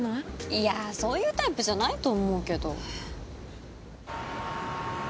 いやそういうタイプじゃないと思うけど。